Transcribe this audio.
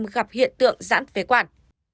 bốn mươi bốn gặp hiện tượng giãn phế quản